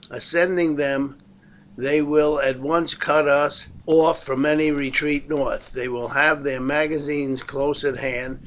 Ascending them they will at once cut us off from any retreat north. They will have their magazines close at hand.